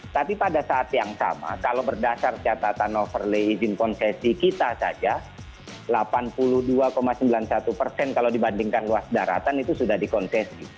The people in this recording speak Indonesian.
tapi pada saat yang sama kalau berdasar catatan overlay izin konsesi kita saja delapan puluh dua sembilan puluh satu persen kalau dibandingkan luas daratan itu sudah dikonsesi